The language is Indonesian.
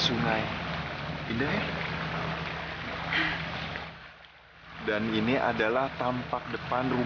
sampai tidurnya kayak anak bayi